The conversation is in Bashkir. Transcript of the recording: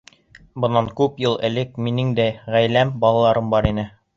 Бынан күп йылдар элек минең дә ғаиләм, балаларым бар ине.